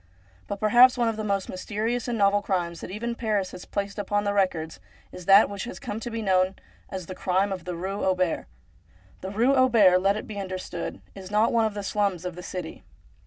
But perhaps one of the most mysterious and novel crimes that even Paris has placed upon the records is that which has come to be known as ' The Crime of the Rue Auber.' The Rue Auber, let it be understood, is not one of the slums of the city.